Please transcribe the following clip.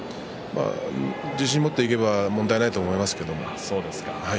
自信持っていけば問題ないと思いますけど。